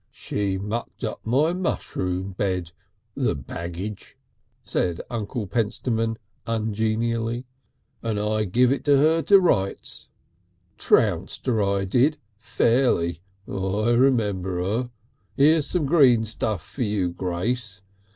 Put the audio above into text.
"She mucked up my mushroom bed, the baggage!" said Uncle Pentstemon ungenially, "and I give it to her to rights. Trounced her I did fairly. I remember her. Here's some green stuff for you, Grace.